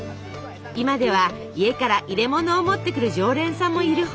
今では家から入れものを持ってくる常連さんもいるほど。